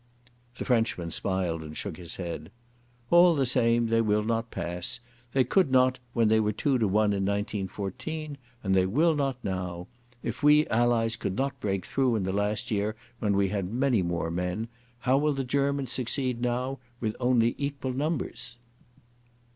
The Frenchman smiled and shook his head. "All the same they will not pass. They could not when they were two to one in 1914, and they will not now. If we Allies could not break through in the last year when we had many more men, how will the Germans succeed now with only equal numbers?"